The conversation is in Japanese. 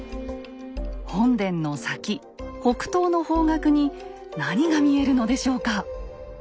本殿の先北東の方角に何が見えるのでしょうか？